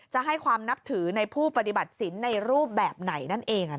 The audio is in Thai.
จะให้ความนับถือในผู้ปฏิบัติศิลป์ในรูปแบบไหนนั่นเอง